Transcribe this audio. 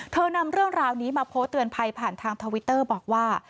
นำเรื่องราวนี้มาโพสต์เตือนภัยผ่านทางทวิตเตอร์บอกว่า